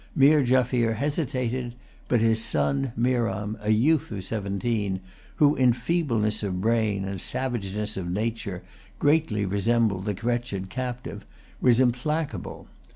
Meer Jaffier hesitated; but his son Meeran, a youth of seventeen, who in feebleness of brain and savageness of nature greatly resemble the wretched captive, was implacable.